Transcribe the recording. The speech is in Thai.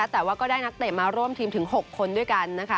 แต่ว่าก็ได้นักเตะมาร่วมทีมถึง๖คนด้วยกันนะคะ